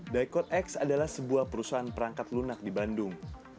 dicode x adalah sebuah perusahaan perangkat lunak di bandung